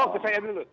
oh ke saya dulu